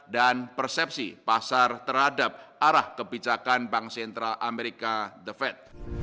dan persepsi pasar terhadap arah kebijakan bank sentral amerika the fed